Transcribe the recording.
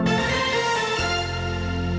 โปรดติดตามตอนต่อไป